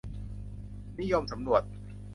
นิยมสำรวจ